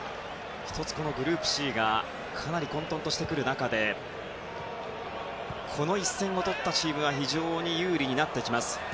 １つ、グループＣがかなり混沌としてくる中でこの一戦をとったチームが有利になってきます。